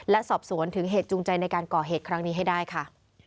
และสอบสวนถึงเหตุจูงใจในการก่อเหตุครั้งนี้ให้ได้ค่ะ